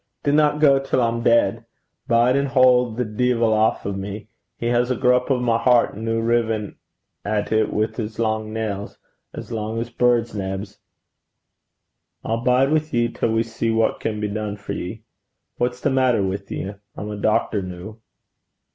'Dinna gang till I'm deid. Bide an' haud the deevil aff o' me. He has a grup o' my hert noo, rivin' at it wi' his lang nails as lang 's birds' nebs.' 'I'll bide wi' ye till we see what can be dune for ye. What's the maitter wi' ye? I'm a doctor noo.'